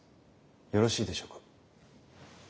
よろしいでしょうか？